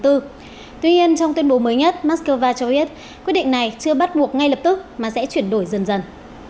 tuy nhiên trong tuyên bố mới nhất moscow cho biết quyết định này chưa bắt buộc ngay lập tức mà sẽ chuyển đổi dần dần